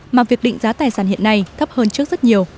mà việc định giá tài sản hiện nay thấp hơn trước rất nhiều